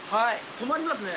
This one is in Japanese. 止まりますね。